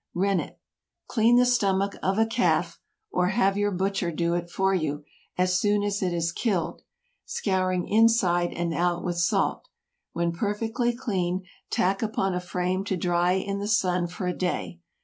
RENNET. Clean the stomach of a calf (or have your butcher do it for you) as soon as it is killed, scouring inside and out with salt. When perfectly clean, tack upon a frame to dry in the sun for a day.